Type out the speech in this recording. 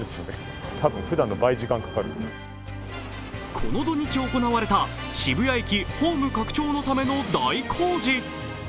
この土日行われた渋谷駅ホーム拡張のための大工事。